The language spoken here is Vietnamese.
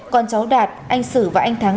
còn cháu đạt anh sử và anh thắng